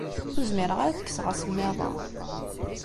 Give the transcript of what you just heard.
Ur zmireɣ ara ad kkseɣ asemmiḍ-a.